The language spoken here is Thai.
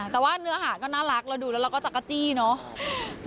แต่ว่าเนื้อหาก็น่ารักเราดูแล้วเราก็จักรจี้เนอะ